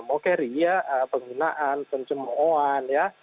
pokeri penggunaan pencemoan ya